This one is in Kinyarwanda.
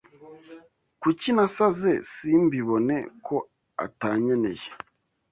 Kuki nasaze simbibona ko atanyeneye